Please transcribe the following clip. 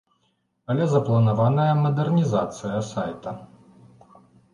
Але запланаваная мадэрнізацыя сайта.